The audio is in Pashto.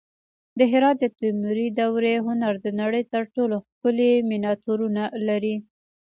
د هرات د تیموري دورې هنر د نړۍ تر ټولو ښکلي مینیاتورونه لري